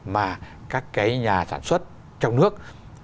mà các cái nhà sản xuất trong nước